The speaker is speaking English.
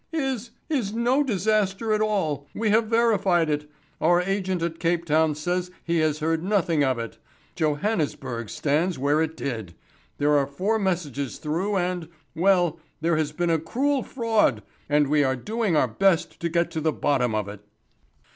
"Is is no disaster at all. We have verified it. Our agent at Cape Town says he has heard nothing of it. Johannesburg stands where it did. There are four messages through and well, there has been a cruel fraud, and we are doing our best to get to the bottom of it."